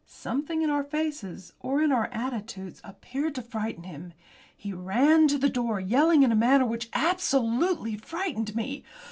Something in our faces or in our attitudes appeared to frighten him. He ran to the door yelling in a manner which absolutely frightened me.